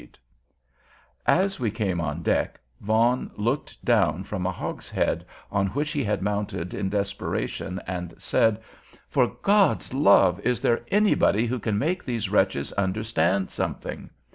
[Note 10] As we came on deck, Vaughan looked down from a hogshead, on which he had mounted in desperation, and said: "For God's love, is there anybody who can make these wretches understand something?